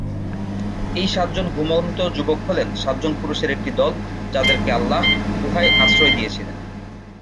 এই সাতজন ঘুমন্ত যুবক হলেন সাতজন পুরুষের একটি দল যাদেরকে আল্লাহ গুহায় আশ্রয় দিয়েছিল।